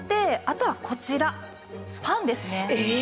あとはこちらパンですね。